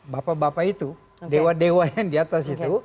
bapak bapak itu dewa dewa yang di atas itu